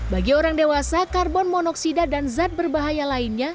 bagi orang dewasa karbon monoksida dan zat berbahaya lainnya